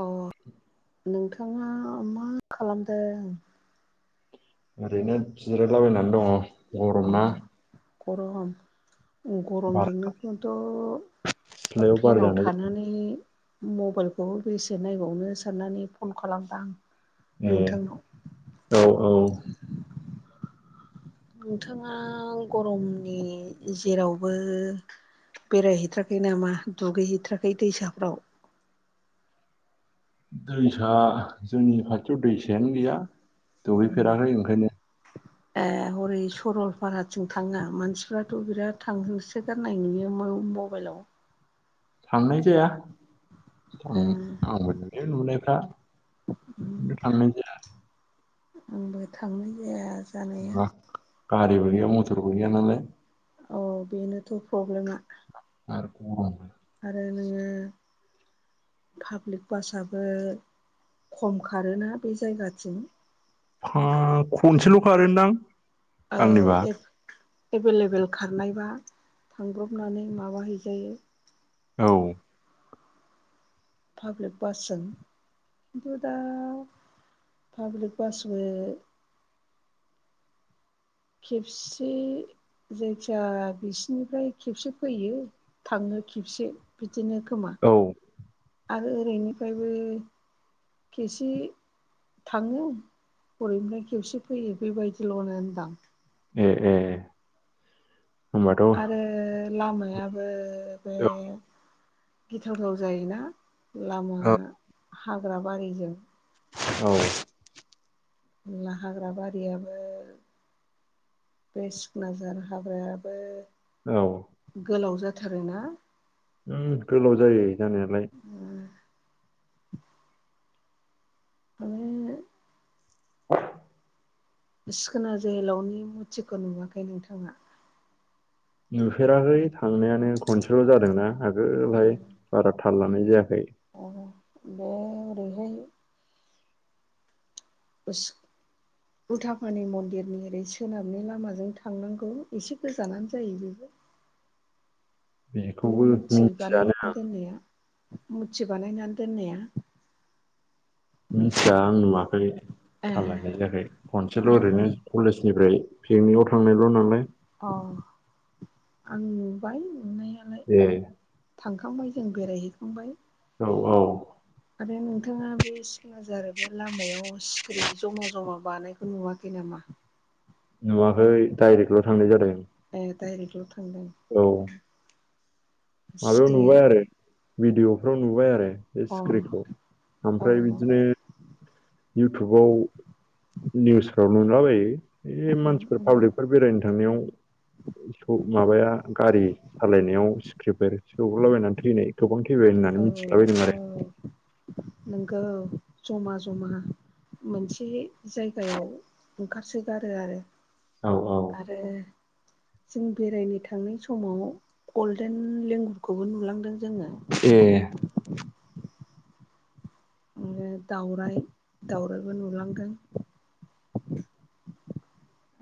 अ औ नोंथाङा मा खालामदों ओरैनो जिरायलाबायनानै दङ गरम अ ना गरम गरम बार जुनायखौथ' सिथ्लायाव बार फेनाव जानाय थानानै मबाइलखौ बेसे नायबावनो साननानै फन खालामदां ए नोंथांखौ औ औ नोंथाङा गरमनि जेरावबो बेरायहैथ्राखै नामा दुगैहैथ्राखै दैसाफ्राव दैसा जोंनि खाथियाव दैसायानो गैया दुगैफेराखै ओंखायनो [inaudible] ए हरै सरलपाराथिं थाङा मानसिफ्राथ' बिराद थांहोसोगार नाय नुयो मबाइलाव थांनाय जाया ओ आंबो नुयो नुनायफ्रा खिन्थु थांनाय जाया आंबो थांनाय जाया जानाया थाङा गारिबो गैया मटरबो गैया नालाय औ बेनोथ' प्रब्लेमा आर गरम आरो नोङो पाब्लिक बासाबो खम खारोना बे जायगाथिं खार खनसेल' खारोदां औ आंनिबा एफ एभेलेबेल खारनायबा थांब्रबनानै माबा हैैजायो औ पाब्लिक बासजों खिन्थु दा पाब्लिक बासबो खेबसे जायखिया बिसिनिफ्राय खेबसे फैयो थाङो खेबसे बिदिनो खोमा। औ आरो ओरैनिफ्रायबो खेसे थाङो हरैनिफ्राय खेबसे फैयो बेबायदिल'नोनदां। एह एह आरो लामायाबो बे गिथावथाव जायोना लामा औ हाग्रा बारिजों। औ ला हाग्रा बारियाबो बे सिखनाझार हाग्रायाबो औ गोलाव जाथारोना ओं गोलाव जायो जानायालाय। आरो सिखोना जोहोलावनि मुथिखौ नुवाखै नोंथाङा? नुफेराखै थांनायानो खनसेल' जादोंनाा आगोलहाय बारा थाल लानाय जायाखै। [unintelligible] रैहाय [unintelligible] उथाफानि मन्दिरनि ओरै सोनाबनि लामाजों थांनांगौ एसे गोजानानो जायो बेबो। बे बेखौबो मुरथि मिथियानो बानायनानै दोननाया मुरथि बानायनानै दोननाया मिथिया आं नुवाखै ए थाल लानाय जायाखै खनसेल' आं ओरैनो कलेजनिफ्राय पिकनिकआव थांनायल' नालाय। अ आं नुबाय नुनायालाय। एह थांखांबाय जों बेरायहैखांबाय। औ औ आरो नोंथाङा बे सिखनााजार लामायाव सिखिरि जमा जमा बानाय नुवाखै नामा? नुवाखै डाइरेक्टल' थांनाय जादों। एह डाइरेक्टल' थांदों? औ माबायाव सिखिरि नुबाय आरो भिडिअफ्राव नुबाय आरो। बे अ सिख्रिखौ अ ओमफ्राय बिदिनो इउटुबाव निउसफ्राव नुलाबायो। बे मानसिफोर पाब्लिकफोर बेरायनो थांनायाव माबाया गारि सालायनायाव सिख्रिफोर सौग्रावला बायनानै थैनाय। गोबां थैबाय होननानै औ मिथिलाबायदों औ आरो। नोंगौ जमा जमा मोनसे जायगायाव ओंखारसोगारो आरो। औ औ आरो जों बेरायनो थांनाय समाव गल्डेन लेंगुरखौबो नुलांदों जोङो। एह इदिनो दाउराय दाउरायबो नुलांदों।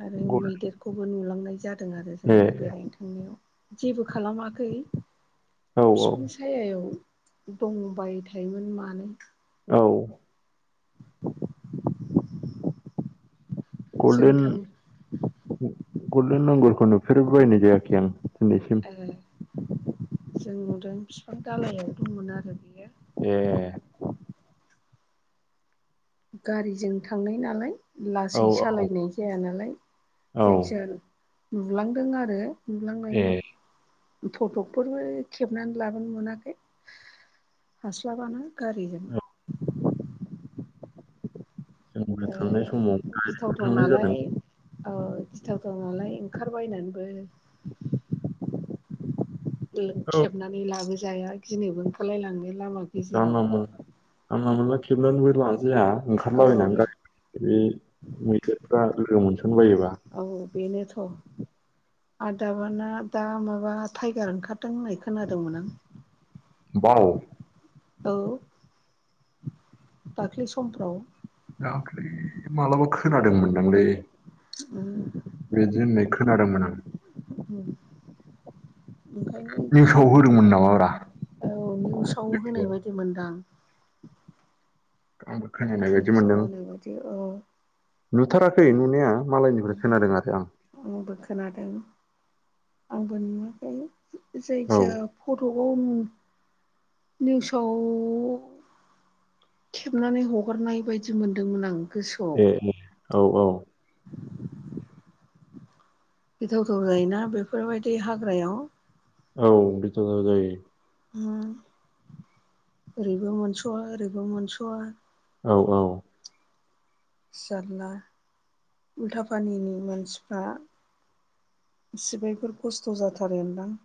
आरो मैदेरखौबो नुलांनाय जादों आरो। जोङो एह बेरायनो थांनायाव जेबो खालामाखै औ औ बिफां सायायाव दंबाय थायोमोन मानो औ जों गलडेन थां गल्डेन लांगुरखौ नुफेर बायनाय जायाखै आं दिनैसिम। ए जों नुदों बिफां दालायाव दंमोन आरो बेयो ए गारिजों थांनाय नालाय औ लासै औ सालायनाय जाया नालाय औ जायखिाया नुलांदों आरो ए नुुलांनायल' औ फट'फोरबो खेबनानै लाबोनो मोनाखै। हास्लाबानो गारिजों जोंबो ओ थांनाय समाव गिथावथाव थांनाय जादों नालाय। औ गिथावथाव नालाय ओंखारबायनानैबो [inaudible] खेबनानै लाबोजाया गिनोबो ओंखारलायलाङो लामाखौ जानला मोनन जानला मोनला खेबनानैबो लाजाया औ ओंखारलाबायनानै गारि बे मैदेरफ्रा लोगो मोनसन बायोबा औ बेनोथ' आदाबाना दा माबा टाइगार ओंखारदों होननाय खोनादोंमोन आं। बाव औ दाख्लै समफ्राव दाख्लि मालाबा खोनादोंमोनदांलै उम बेदि होननाय खोनादोंमोन आं। [inaudible] ओंखायनो निउसाव गिहरनो होदोंमोन ओंखारो नामाब्रा औ निउसाव होनाय बायदि मोनदां औ खोना निउसआव बादि औ नुथाराखै नुनाया मालायनिफ्राय खोनादों आरो आं। आंबो खोनादों आंबो नुवाखै आं औ जायखिजाया फट'खौ निउसाव खेबनानै हगारनाय बायदि मोनदोंमोन आं। गोसोआव ए ए औ औ गिथावथाव जायोना बेफोरबायदि हाग्रायाव। औ गिथावथाव जायो। उम ओरैबो मोनस'वा ओरैबो मोनस'वा। औ औ जारला उल्था पानिनि मानसिफ्रा इसेबायफोर खस्थ' जाथारोन्दां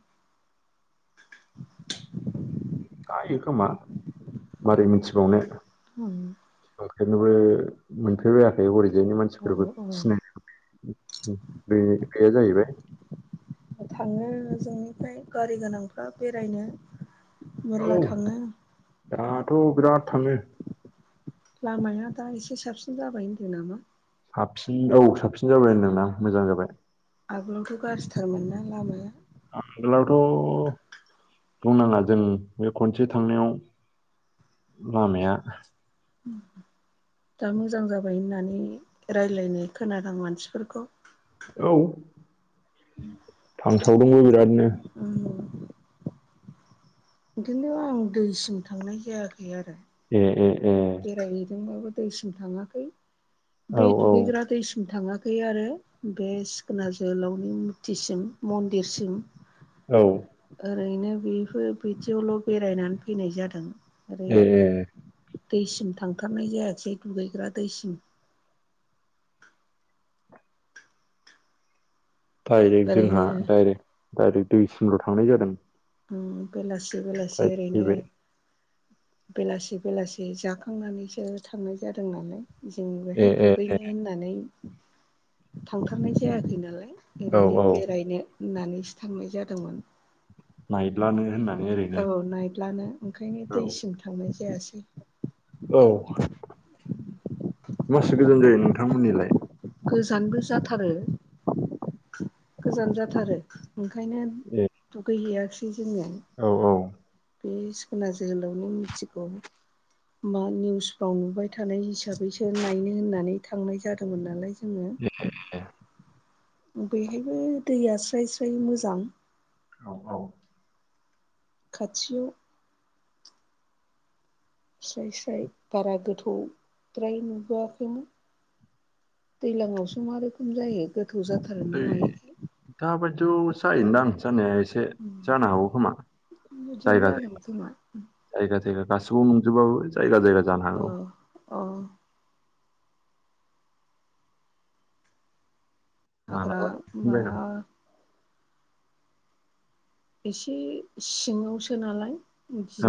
जायो खोमा मारै मिथिबावनो। उम थांफेरनोबो मोनफेरबायाखै हरैजायनि औ मानसिफोरबो औ सिनायनाय बे गैया जाहैबाय। थाङो जोंनिफ्राय गारि गोनांफ्रा बेरायनो। औ मेरला थाङो दाथ' बिराद थाङो। लामाया दा एसे साबसिन जाबाय होन्दों नामा। साबसिन औ साबसिन जाबाय होन्दोंदां मोजां जाबाय। आगोलावथ' गाज्रिथारमोन नना लामाया। आगोलावथ' बुंनाङा जों बे खनसे थांनायाव लामाया उम दा मोजां जाबाय होननानै रायलायनाय खोनादां मानसिफोरखौ। औ, थांसावदोंबो बिरादनो। उम। खिन्थु आं दैसिम थांनाय जायाखै आरो। ए ए ए। बेरायहैदोंबाबो दैसिम थाङाखै, औ बे औ दुगैग्रा दैसिम थाङाखै आरो बे सिखोना जोहोलावनि मुर्तिसिम मन्दिरसिम औ। ओरैनो बेफोर बिदियावल' बेरायनानै फैनाय जादों। ओरै ए ए। दैसिम थांथारनाय जायाखसै दुगैग्रा दैसिम। डाइरेक्ट जोंहा ओरैनो डाइरेक्ट डाइरेक्ट दैसिमल' थांनाय जादों। उम बेलासि बेलासि डाइरेक्ट ओरैनो फैबाय बेलासि बेलासि जाखांनानैसो थांनाय जादों नालाय जों ए बेहाय ए दुगैनो होननानै थांथारनाय जायाखै नालाय औ ओरैनो औ बेरायनो होन्नानैसो थांनाय जादोंमोन। नायद्लानो होननानै ओरै औ औ नायद्लानो ओंखायनो दैसिम थांनाय जायासै। औ, मासि गोजान जायो नोंथांमोननियालाय? गोजानबो जाथारो, गोजान जाथारो। ओंखायनो ए दुगैहैयाखसै जोङो। औ औ बे सिखोना जोहोलावनि मुर्तिखौ मा निउसफ्राव नुबाय थानाय हिसाबैसो नायनो होननानै थांनाय जादोंमोन नालाय जोङो, ए ए बेहायबो दैआ स्राइ स्राइ मोजां औ औ। खाथियाव स्राइ स्राइ बारा गोथौ द्राय नुबोयाखैमोन दैलांआवसो मा रोखोम जायो गोथौ जाथा ओइ दाबायदियाव जायोनदां जानाया एसे से जानो हागौ खोमा बिदिनो जायगा जागोन जायगा खोमा जायगा जायगा गासौआव नंजोबाबाबो जायगा जायगा जाना ओ अ हाग्रा मालाबा बायनानै। [unintelligible] एसे सिङावसो नालाय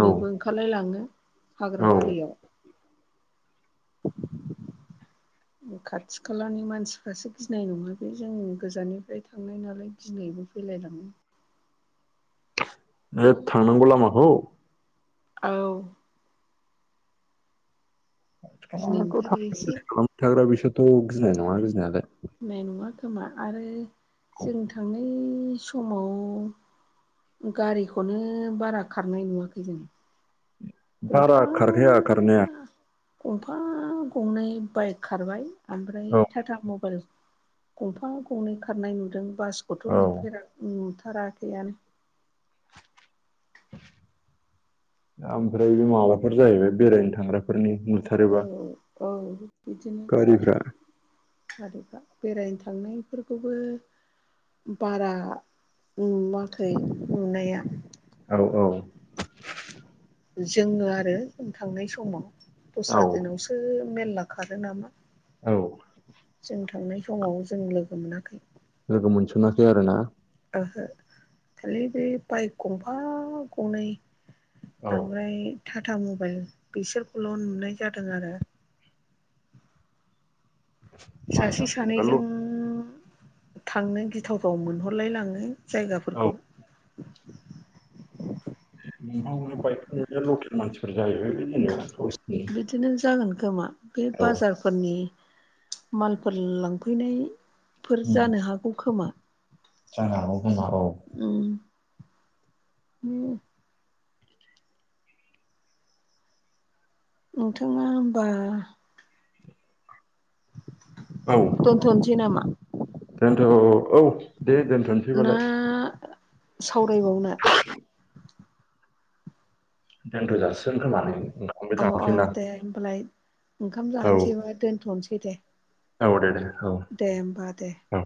औ ओंखारलाय लाङो। औ हाग्रा बारियाव। [inaudible] खाथि खालानि मानसिफ्रासो गिनाय नङा बे, जों गोजाननिफ्राय थांनाय नालाय गिनायबो फैलायलाङो। लेप्त थांनांगौ लामाखौ औ। गिनो खाथिखालानाथ' ओंखारो थांलाय एसे फैलाय खालामबाय थाग्रा बैसोरथ' गिनाय नङा गिनायालाय। गिनाय नङा खोमा आरो औ जों थांनाय समाव गारिखौनो बारा खारनाय नुवाखै जों। बारा गंफा खारखाया खारनाया गंफा गंनै बाइक खारबाय ओमफ्राय औ टाटा मबेल गंफा गंनै खारनाय नुदों बासखौथ' औ नुफेरा नुथाराखैयानो। ओमफ्राय बे माबाफोर जायैबाय बेरायनो थांग्राफोरनि औ नुथारोबा। औ बिदिनो गारिफ्रा [unintelligible] गारैफा बेरायनो थांनायफोरखौबो बारा नुवाखै नुनाया औ - औ जोङो आरो जों थांनाय समाव दस्रा औ दिनावसो मेरला खारो नामा औ जों थांनाय समाव जों लोगो मोनाखै लोगो मोनसनाखै आरो ना ओहो खालि बे बाइक गंफा गंनै औ ओमफ्राय टाटा मबाइल बिसोरखौल' नुनाय जादों आरो सासे बाइकआ जेनेबा ल सानैजों थांनो गिथावथाव मोनहरलायलाङो औ जायगाफोरखौ [unintelligible] बाइक [unintelligible] लकेल मानसिफोर जायोबाय बे जेनिबा [unintelligible] बिदिनो जागोन खोमा बे औ बाजार फोरनि मालफोर लांफैनायफोर उम जानो हागौ खोमा जानो हागौ खोमा औ उ [unintelligible] नोंथाङा होमबा औ दोनथनसै नामा दोनथ' औ दे ना दोनथ'नोसैबालाय सावरायबावनो दोन गोजासिन होनानै ओंखामबाय थांफिन आं होनबालाय ओंखाम जानोसैबा दोनथ'नोसै दे औ दे- दे औ दे होमबा दे औ